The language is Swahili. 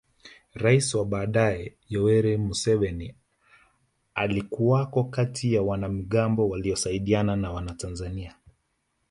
Rais wa baadaye Yoweri Museveni alikuwako kati ya wanamigambo waliosaidiana na Watanzania